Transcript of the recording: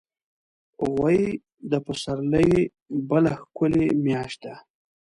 غویی د پسرلي بله ښکلي میاشت ده.